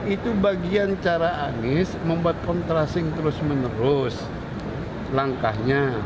itu bagian cara anies membuat kontrasing terus menerus langkahnya